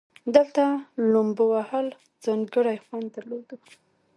دلته لومبو وهل ځانګړى خوند درلودو.